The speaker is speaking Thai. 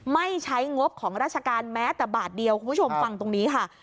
ไม่ใช้งบของราชการแม้แต่บาทเดียวคุณผู้ชมฟังตรงนี้ค่ะ